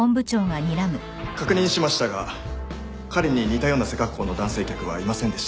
確認しましたが彼に似たような背格好の男性客はいませんでした。